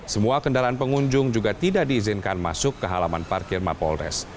semua kendaraan pengunjung juga tidak diizinkan masuk ke halaman parkir mapolres